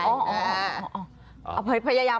เอาไปพยายาม